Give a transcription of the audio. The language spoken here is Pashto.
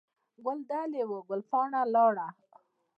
ګل دلې وو، ګل پاڼه ولاړه.